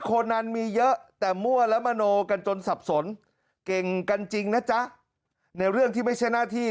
คนนั้นมีเยอะแต่มั่วและมโนกันจนสับสนเก่งกันจริงนะจ๊ะในเรื่องที่ไม่ใช่หน้าที่